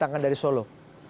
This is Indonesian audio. datangkan dari solo